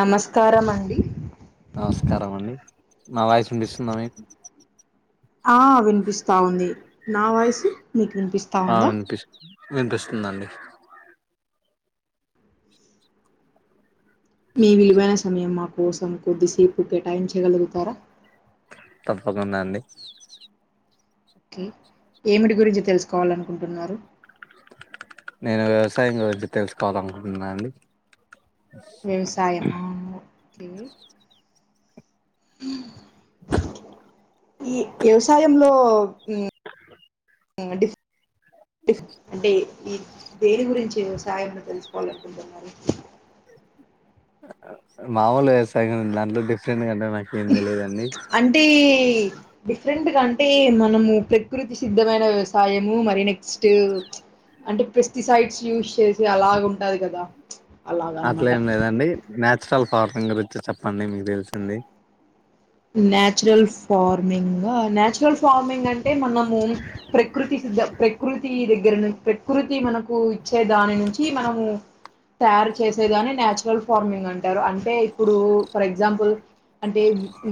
నమస్కారమండి నమస్కారం అండి నా వాయిస్ విన్పిస్తుందా మీకు ఆ విన్పిస్తా ఉంది నా వాయిస్ మీకు విన్పిస్తా ఉందా విన్పిస్తుందండి మీ విలువైన సమయం మా కోసం కొద్దిసేపు కేటాయించగలుగుతారా తప్పకుండా అండి ఓకే ఏమిటి గురించి తెలుసుకోవాలనుకుంటున్నారు నేను వ్యవసాయం గురించి తెలుసుకోవాలనుకుంటున్నా అండి వ్యవసాయమా ఓకే ఊ ఈ వ్యవసాయంలో హ్మ్ ఇంగ డిఫ్ డిఫ్ డి ఈ దేని గురించి సాయంలో తెలుసుకోవాలనుకుంటున్నారు మామూలు వ్యవసాయంగా ఉంది దాంట్లో డిఫరెంట్గాంటే అంటే డిఫరెంట్ అంటే మనము ప్రకృతి సిద్ధమైన వ్యవసాయము మరి నెక్స్ట్ అంటే పెస్టిసైడ్స్ యూస్ చేసి అలాగ ఉంటది కదా అలాగ అనమాట అట్లేం లేదండి నచురల్ [unintelligible] గురించి చెప్పండి మీకు తెలిసింది న్చురల్ ఫార్మింగ్ హా నాచురల్ ఫార్మింగ్ అంటే మనము ప్రకృతి సిద్ధ ప్రకృతి దగ దగ్గర ను ప్రకృతి మనకు ఇచ్చే దాని నుంచి మనము తయారు చేసేదని నచు రల్ ఫార్మింగ్ అంటారు అంటే ఇప్పుడు ఫర్ ఎగ్జాంపుల్ అంటే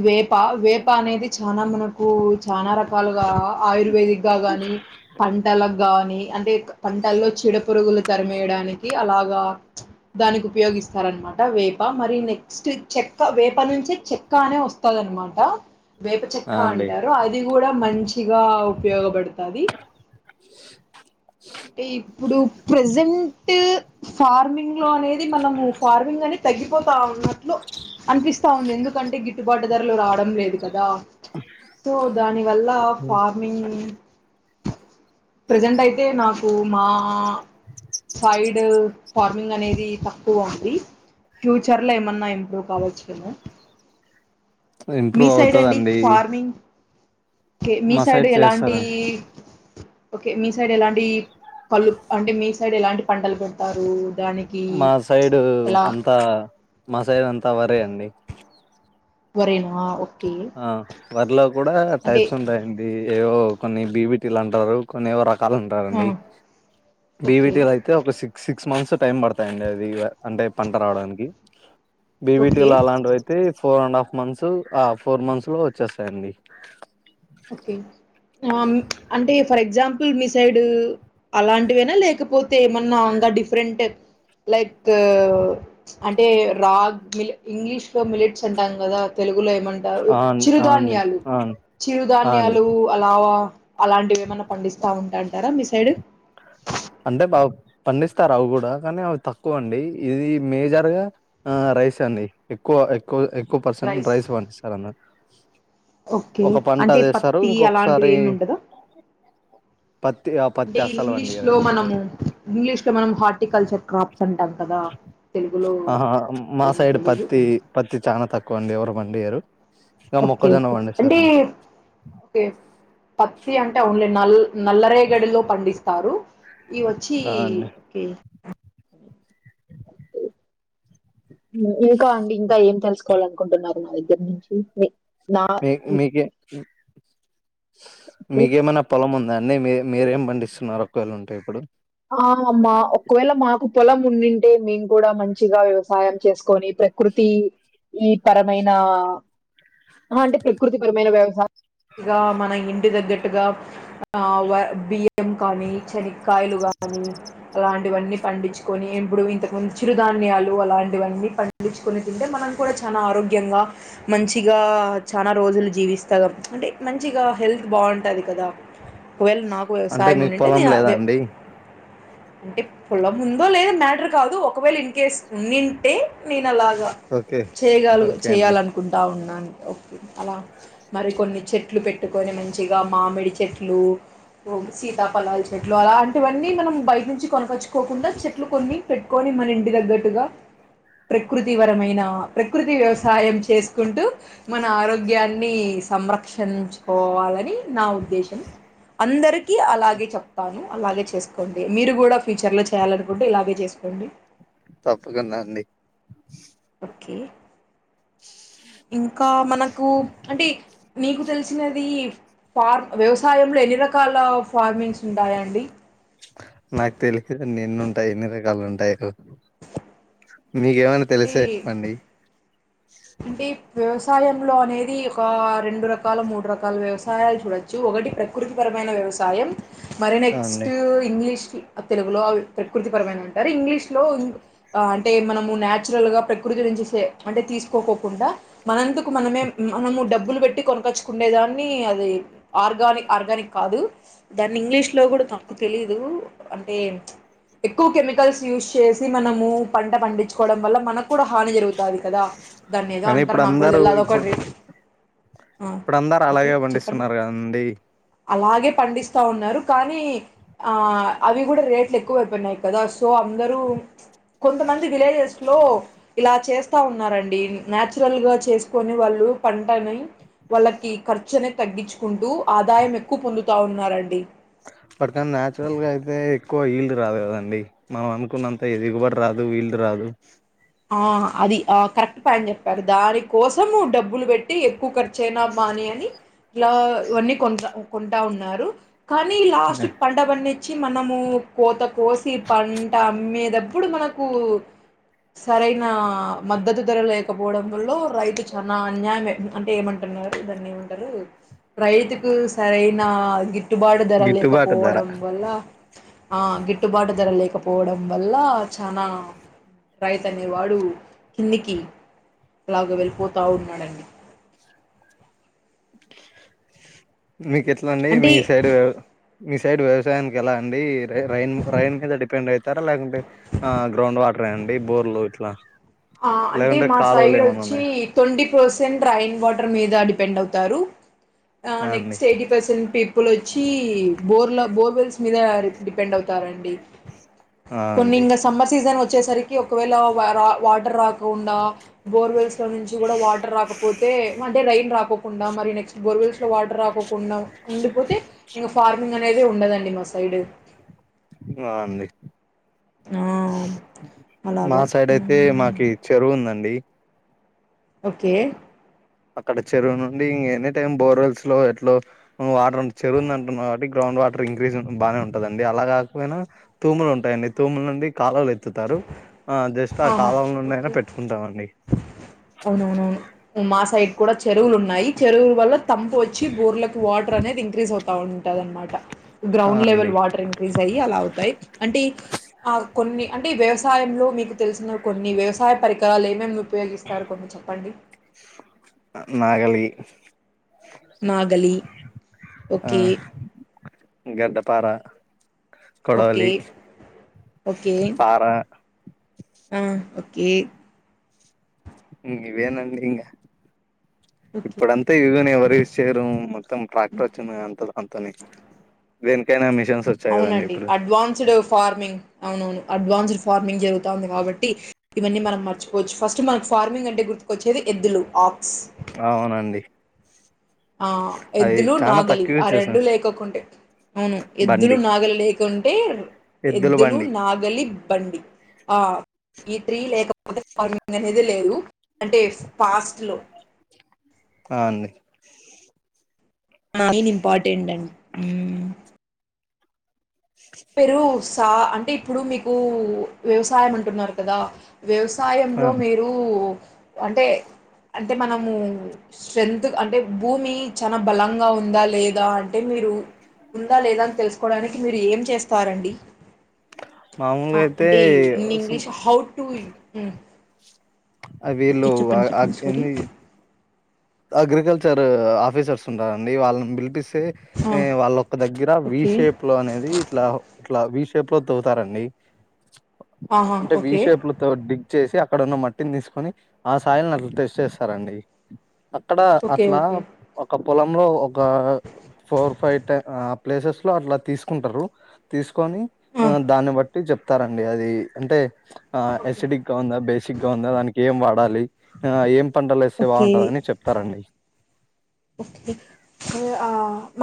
వేప వేప అనేది చానా మనకు చనా రకాలుగా ఆయుర్వేదిక్ గా గాని పంటలకు గాని అంటే పంటల్లో చెడు పురుగులు తరిమేయడానికి అలా [unintelligible] దానికి ఉపయోగిస్తార అనమాట వేపా మరి నెక్స్ట్ చెక్క వేప నుంచి చెక్క అనే వస్ తదర మాట వేప చెక్క ఆ అండి అంటారు అది కూడా మంచిది అ ఉపయోగపడుతుది అంటే ఇప్పుడు ప్రజెంట్ ఫార్మింగ్ లో అనేది మనము ఫార్మింగ్ అనే తగ్గి పోతా ఉన్నట్లు అనిపిస్తా ఉంది ఎందుకంటే అిట్టుబాటు ధరలు రావడం లేదు కదా సో దానివల్ల ఫార్మింగ్ ప్రజెంట్ అయితే నాకు మా సైడ్ ఫార్మింగ్ అనేది తక్కువ అండి, ఫ్యూచర్ లో ఏమన్నా ఇంప్రూవ్ కావచ్చును ఇంప్రూవ్ అవుతదండి ఫార్మింగ్ కే మీ మా సైడు సైడ్ ఎలాంటి చేస్తారా ఓకే మీ సైడ్ ఎలాంటి పళ్ళు, అంటే మీ సైడ్ ఎలాంటి పంటలు పెడతారు దానికి మా సైడు ఎలా అంతా మా సైడ్ అంతా వరే అండి వరేనా ఓకే ఆ వర్లో కూడా అంటే టైప్స్ ఉంటాయండి ఏవో కొన్ని బీబిటీలు అంటారు కొన్ని ఏవో రక రకాలు ఆ! ఉంటారండి ఓకే బివిటీ అయితే ఒక సిక్స్ సి సిక్స్ మంత్స్ టైం పడతాయండి అవి అంటే పంట రావడానికి ఓకే బీబీటిలో అలాంటివి అయితే four and half months of four months లో వచ్చేస్తాయండి ఓకే ఆ అంటే ఫర్ ఎగ్జాంపుల్ మిస్ సైడ్ అలాంటివేనా లేకపోతే ఏమన్నా ఇంకా డిఫరెంట్ లైక్ అంటే రాగ్ మి ఇంగ్లీష్ లో మిలట్స్ అంటాం కదా తెలుగు తెలుగు లో ఏమంటారు ఆ అండి ఆ అండి చిరుధాన్యాలు ఆ అండి ఆ అండి చిరుధాన్యాలు అలా అవ అలాంటివి ఏమన్నా పండిస్తా ఉంటాంటారా మీ సైడు అంటే బా పండిస్తారు అవి కూడా కానీ అవి తక్కువ అండి ఇది మేజర్ గా ఆ రైస్ అండి ఎక్కువ ఎక్కువ ఎ ఎక్కు పర్సెంట్ రైస్ పండిస్తరు అన్నా ఒకే అంటే పత్తి అలాంటివి ఇంకొకసారి ఏమి ఉండదా పత్తి ఆ అంటే పత్తి అస్సలు వండి ఇంగ్లీష్‌లో యరండి మ మనము ఇంగ్లీష్ తే మనం హార్ట్ ఆర్టీకల్చర్ క్రాప్స్ అంటాం కదా తెలుగులో ఆహా ఏమో తెలుదు కండి ఎవరు పండియరు ఇక ఓకే మొక్కజొన్న ఓకే అంటే పండిస్తారండి ఓకే పత్తి అంటే ఓన్లీ నల్ నల్లరేగడిలో పండిస్తారు ఇవొచ్చి ఆ అండి ఓకే ఇంకా అండి ఇం ఇంకా ఏం తెలుసుకోవాలనుకుటున్నారు నాది దగ్గర నుంచి నా మీ మీకే ఓకే. మెకేమన్న పొలం వున్ అన్నీ మీ మీరేం పండిస్తున్నారు ఒకక్కవేళు ఉంటాయి ఇప్పుడు ఆ మా ఒకవేళ మాకు పొలం ఉండింటే మేము కూడా మంచిగా వ్యవసాయం చేసుకొని ప్రకృతి ఈ పరమైన అంటే ప్రకృతి పరమైన వ్యవసాయం మన ఇంటి తగ్గట్టుగా ఆ బియ్యం కానీ శనక్కాయలు అనీ అలాంటివన్నీ పండించుకొని ఇప్పుడు ఇంతకుముందు చిరుధాన్యాలు అలాంటివన్నీ పండించుకునే తింటే మనం కూడా చాలా ఆరోగ్యంగా, మంచిగా చాలా రోజులు జీవిస్తాగా అంటే మంచిగా హెల్త్ బాగుంటుంది కదా ఒకవేళ నాకు అంటే వ్యవసాయం మీకు ఉనింటే పొలం నేను లేదా అ అండి అంటే పొలం ఉందొ లేదో మ్యాటర్ కాదు ఒకవేళ ఇన్ కేస్ నింటే నేను లాగా ఓకే చేయగలా ఓకే అండి చేయాలనుకుంటా ఉన్నా అ ఒక అల మరి కొన్ని చెట్లు పెట్టుకొని మంచిగా మామిడి చెట్లు, సీతాఫలాలు చెట్లు, అలాంటివి అన్నీ మనం బయట నుంచి కొనపచ్చుకోకుండా చెట్లు కొన్ని పెట్టుకొని, మన ఇంటి తగ్గట్టుగా ప్రకృతివరమైన ప్రకృతి వ్యవసాయం చేసుకుంటూ మన ఆరోగ్యాన్ని సంరక్షించుకోవాలని నా ఉద్దేశం అందరికీ అలాగే చెప్తాను అలాగే చే కోండి మీరు కూడా ఫ్యూచర్ లో చేయాలనుకుంటే ఇలాగే చేసుకోండి తప్పకుండా అండి ఓకే ఇంకా మనకు అంటే నీకు తెలిసినది ఫార్మ్ వ్యవసాయంలో ఎన్ని రకాల ఫార్మింగ్స్ ఉంటాయాండి నాకు తెలిసుదండి ఎన్ని ఉంటాయి ఎన్ని రకాలు ఉంటాయి మీకేమన్నా అంటే తెలిసే చెప్పండి అంటే వ్యవస్ వ్యవసాయంలో అనేది ఒక రెండు రకాల, మూడు రకాల వ్యవసాయాలు చూడొచ్చు, ఒకటి ప్రకృతిపరమైన వ్యవసాయం మరి నెక్స్ట్ అవునండి ఇంగ్లీష్కి తెలుగులో అవి ప్రకృతి పరమైన అంటారు, ఇంగ్లీష్ లో అంటే మనము నాచురల్ గా ప్రకృతి నుంచి సె అంటే తీసుకు కోకోకుండా మనంతాకు మనమే మనము డబ్బులు పెట్టి కొనకొచ్చు కుండేదాన్ని అది ఆర్గానిక్ ఆర్గానిక్ కాదు, దాన్ని ఇంగ్లీష్ లో కూడా నాకు తెలీదు, అంటే ఎక్కువ కెమికల్స్ యూస్ చేసి మనము పంట పండించుకోవడం వల్ల మనకు కూడా హాని జరుగుతుంది కదా దాన్ని ఏదో కానీ అంటారు ఇప్పుడు నాకు కూడా అందరూ తెలీదు అద ఇప్పుడు ఒకటి ఇప్పుడు అందరు అలాగే పండిస్తున్నారు కదండి అలాగే పండిస్తా ఉన్నారు, కానీ అ అవి కూడా రేట్లు ఎక్కువైపోయినాయి కదా సో అందరూ కొంతమంది విలేజెస్ లో ఇలా చేస్తా ఉన్నారండి నాచురల్ గా చేసుకొని వాళ్ళు పంటని వాళ్ళకి ఖర్చునే తగ్గించుకుంటూ, ఆదాయం ఎక్కువ పొందుతా ఉన్నారండి. పటికని నచురల్ గా అయితే ఎక్కువ వీళ్లుు రాదు కదండి, మనం అనుకున్నంత ఎగుబడి రాదు వీళ్లు రాదు. ఆ అది ఆ కరెక్ట్ పన్ చెప్పారు దాని కోసం డబ్బులు పెట్టి ఎక్కువ కర్ చైనాబ్బానీ అని ఇలా ఇవన్నీ కొ కొంటా ఉన్నారు కానీ లాస్ట్ పంట ప వచ్చి మనము కోత కోసి పంట అమ్మేటప్పుడు మనకు సరైన మద్దతు ధర లేకపో పోడ లో రైతు చనా అన్యాయం అంటే ఏమంటున్నారు దాన్ని ఏమంటారు రైతు కు సరే నా గి గిట్టుబాటు ధర గిట్టుబాటు ధర లేకపోవడం వల్ల ఆ గిట్ గికట్టుబాటు ధర లేకపోవడం వల్ల చనా రైతు అనేవాడు కిందికి అలాగ వెళ్ళిపోతా ఉన్నాడండి మీకు ఎట్లాండి అంటే మీ సైడ్ మీ సైడ్ వ్యవసాయానికి ఎలా అండి రైన్ రైన్ మీద డిపెండ్ అవుతారా లేకుంటే ఆ గ్రౌండ్ వాటర్ అండి బోర్లు ఇట్లా ఆ అంటే లేకుంటే మా కాలువలు సైడ్ ఏమన్నా వచ్చి ఉన్నాయా తొండి ఫ్రోజెన్ డ్రయింగ్ వాటర్ మీద డిపెండ్ అవుతారు ఆ అండి నెక్స్ట్ యైటి పర్సన్ పీపుల్ ఇప్పుల వచ్చి బోర్లా బోర్వెల్స్ మీద డిపెండ్ అవుతారండి ఆ కొన్ని అండి ఇంకా సమ్మర్ సీజన్ వచ్చేసరికి ఒకవేళ వా రక్ కాకుండా బోర్వెల్స్ లో నుంచి కూడా వాటర్ రాకపోతే అంటే రైన్ రాకపో డా మరి నెక్స్ బోవెల్స్ లో వాటర్ రాక ఉన్నా ఉండిపోతే ఇం ఫార్మింగ్ అనేది ఉండదండి మా సైడ్ బా ఉంది ఆ మా అలాగా సైడ్ అయితే మ్మ్ మాకి చెరువు ఉందండి ఒకే అక్కడ చెరువు నుండి ఇం ఎనీ టైమ్ బోర్వెల్స్ లో ఎట్ వాటర్ చెరువుంద అంటున్నా కాబట్టి గ్రౌండ్ వాటర్ ఇంక్రీజ్ బాగానే ఉంటందండి అలా కాకపోయినా తూములు ఉంటాయండి తూముల నుండి కాళలు ఎత్తుతారు ఆ జస్ట్ ఆ ఆహా కాలం నుం అయినా ఓకే పెట్టుకుంటామండి అవునవునవును మా సైడ్ కూడ చెరువులు ఉన్నాయి చెరువుల వల్ల తంపు వచ్చి బోర్లకు వాటర్ అనేది ఇంక్రీజ్ అవుతా ఉంటది అనమాట ఆ గ్రౌండ్ లెవెల్ అండి వాటర్ ఇంక్రీజ్ అయ్యి అలా అవుతాయి అంటే ఆ కొన్ని అంటే వ్యవసాయంలో మీకు తెలిసిన కొన్ని వ్యవసాయ పరికరాలు ఏమేం ఉపయోగిస్తరు కొన్ని చెప్పండి నాగలి నాగలి ఓకే పర ఓకే కొడవలి ఓకే పార ఆ ఓకే వేనాండికా ఓకే ఇప్పుడంతా ఇగని ఎవరు ఓకే ఇచ్చరు మొత్తం ట్రాక్టర్ వచ్చినంది అంత అంతని దన్కనామి అవునండి అడ్వాన్స్డ్ ఫార్మింగ్ అవునవును అడ్వాన్స్డ్ ఫార్మింగ్ జరుగుతంది కాబట్టి ఇవన్నీ మనం మర్చుకోవచ్చు ఫస్ట్ మనకి ఫార్మింగ్ అంటే గుర్తుకొచ్చేది ఎద్దులు ఆక్స్ అవునండి ఆ అది ఎద్దులు చాలా నాగలి తక్కువ ఆ యూజ్ రెండు చేసాను లేకకుంటే అవును ఎద్దులు బండి నాగలి లేకుంటే ఎద్దుల ఎద్దులు బండి నాగలి బండి ఆ ఈ త్రీ లేకపోతే ఫార్మింగ్ అనేది లేదు అంటే ఫస్ట్ లో అవున అండి మెయిన్ ఇంపార్టెంట్ అండి పెరు సా అంటే ఇప్పుడు మీకు వ్యవసాయం అంటున్నారు కదా ఆ వ్యవసాయంలో అండి. మీరు అంటే అంటే మనము స్ట్రెంగ్త్ అంటే భూమి చాలా బలంగా ఉందా లేదా అంటే మీరు ఉందా లేదా అని తెలుసు డానికి మీరు ఏం చేస్త ఫారండి ఆ మామూలుగా అయితే అంటే ఇన్ సం- ఇంగ్లీష్ హౌ టు ఆ వీళ్లు ఓకే చెప్పండి చెప్పండి సారీ ఏ అగ్రికల్చర్ ఆఫీసర్స్ ఉంటారండి వాళ్ళని పిలిపిస్త స్తే ఆ వాళ్ళొక దగ్గర వి ఓకే షేప్ లో అనేది ఇట్లా లా విషేప్ లో తొవ్వుతారండి ఆహా అంటే ఓకే విషేపులతో డిగ్ చేసి అక్కడ ఉన్న మట్టిని తీసుకొని ఆ సాయిల్ని అట్ల టెస్ట్ చేస్తారండి అక్కడ ఓకే అట్లా ఓకే ఒక పొలంలో ఓ గా ఫోర్ ఫైవ్ టా ఆ ప్లేసెస్ లో అట్లా తీసుకుంటారు తీస్ కోని ఆ దాన్ని బట్ టు చెప్తారండి అది అంటే ఆ ఆసిడిక్ గా ఉందా బేసిక్ గా ఉందా దాని ఏం వాడాలి ఆ ఏం పంటలేస్తే బావుంటాదని చెప్ ఓ ఆ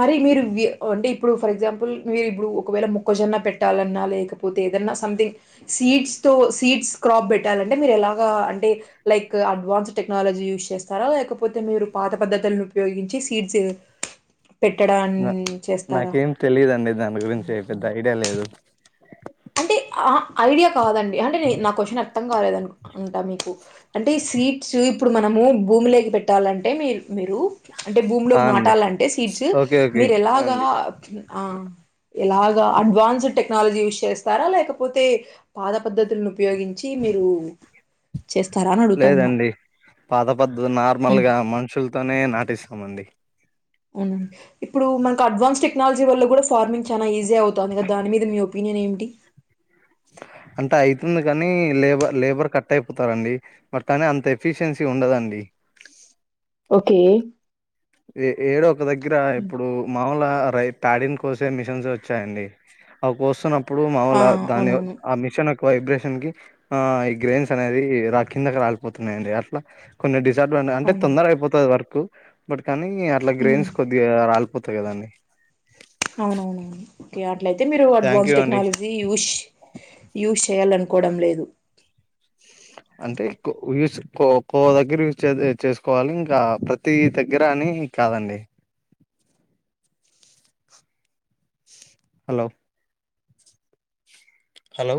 మరి మీరు ఉ అంటే ఇప్పుడు ఫర్ ఎగ్జాంపుల్ మీరు ఇప్పుడు ఒకవేళ మొక్కజొన్న పెట్టాలన్నా లేకపోతే ఏదన్నా సంథింగ్ సీడ్స్ తో సీడ్స్ క్రాప్ పెట్టాలంటే మీరు ఎలాగా అంటే లైక్ అడ్వాన్స్ టెక్నాలజీ యూజ్ చేస్తారా లేకపోతే మీరు పాత పద్ధతులును పయోగించి సీడ్స్ ఏ నా నాకేం తెలీదండి దాని గురించి ఐతే పెద్ద ఐడియా లేదు అంటే ఆ ఐడియా కాదండి అంటే పి నా క్వశ్చన్ అర్థం కాలేదునుక్ అంటా మీకు అంటే ఈ సీడ్స్ ఇప్పుడు మనము భూమి లేకి పెట్టాలంటే మీరు అంటే ఆ భూమిలోకి అండి నాటాలంటే సీడ్స్ ఓకే ఓకే మీరు ఆ అండి ఎలాగా ఉం ఆ ఇలాగ అడ్వాన్సడ్ టెక్నాలజీ యూస్ చెస్ స్తారా లేకపోతే పాత పద్ధతులను ఉపయోగించి మీరు చేస్తారా అని అడుగుతా ఉన్నా? లేదండి పాద పద్ద నార్మల్ హ్మ్. గ మనుషులతోనే న టిస్తామండి హ్మ్ ఇప్పుడు మనకు అడ్వాన్స్ టెక్నాలజీ వల్ల కూడా ఫార్మింగ్ చాలా ఈజీ అవుతుంది కదా దాని మీద మీ ఒపీనియన్ ఏంటి అంటే అయితుంది గనీ లేబర్ లేబర్ కట్ అయిపోతారండి బట్ కానీ అంత ఎఫిషియన్సీ ఉండదండి ఒకే ఏ ఏడో ఒక దగ్గర ఇప్పుడు మా ర పాడిన్ కోసే మిషన్స్ వచ్చాయండి అవి కోస్తున్న ఇప్పుడు ఆ! మామూలు దాని అవునవును. ఆ మిషన్ వైబ్రేషన్ కి ఆ ఈ గ్రెన్స్ అనేవి రా కిందకి రాలిపోతున్నాయండి అట్ల కొన్ని [unintelligible] అంటే అవును. తొందర అయిపోతది వర్కు బట్ కానీ అట్ల హ్మ్. గ్రైయిన్స్ కొద్దిగ రాళ్ పోతయి కదా అండి అవునవును ఒకే అట్లయితే మీరు థ్యాంక్ అడ్వాన్స్ యూ అండి టెక్నాలజీ యూష్ యూస్ చేయాలనుకోడం లేదు అంటే క్కో యూస్ క్కో ఒక్కో దగ్గర యూజ చెస్ చేసుకోవాలి ఇంకా ప్రతి దగ్గర అని కాదండి హలో హలో